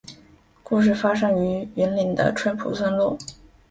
故事发生于云林的纯朴村落